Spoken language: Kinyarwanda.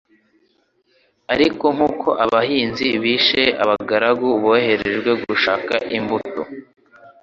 Ariko nk’uko abahinzi bishe abagaragu boherejwe gushaka imbuto,